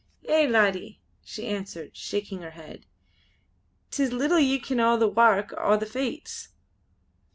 "Eh! laddie" she answered, shaking her head "'Tis little ye ken o' the wark o' the Fates!